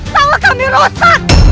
salah kami rusak